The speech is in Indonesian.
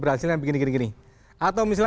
berhasilnya begini gini atau misalnya